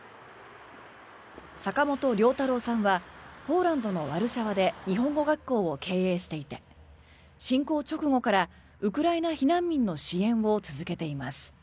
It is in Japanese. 坂本龍太朗さんはポーランドのワルシャワで日本語学校を経営していて侵攻直後からウクライナ避難民の支援を続けています。